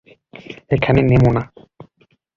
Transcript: এখানে নেমো না।